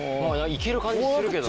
いける感じするけどな。